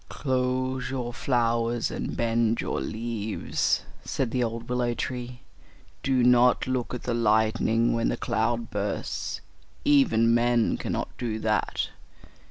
"Close your flowers and bend your leaves," said the old willow tree. "Do not look at the lightning when the cloud bursts; even men cannot do that.